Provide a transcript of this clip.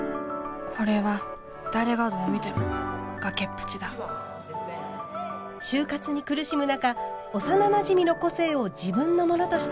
これは誰がどう見ても崖っぷちだ就活に苦しむ中幼なじみの個性を自分のものとして偽った主人公。